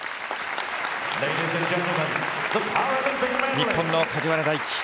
日本の梶原大暉。